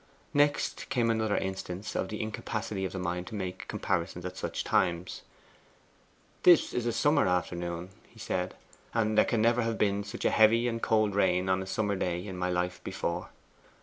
Next came another instance of the incapacity of the mind to make comparisons at such times. 'This is a summer afternoon,' he said, 'and there can never have been such a heavy and cold rain on a summer day in my life before.